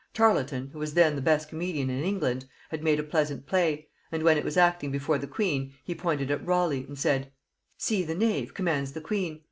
Tarleton, who was then the best comedian in England, had made a pleasant play; and when it was acting before the queen, he pointed at Raleigh, and said, 'See the knave commands the queen!'